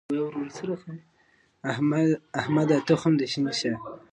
احمده! تخم دې شين شه.